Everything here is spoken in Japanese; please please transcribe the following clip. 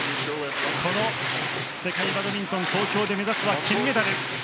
この世界バドミントン東京で目指すは金メダル。